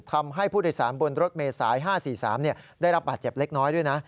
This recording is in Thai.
ทำให้ผู้โดยสารบนรถเมษาย๕๔๓ได้รับบาดเจ็บเล็กน้อยด้วยนะ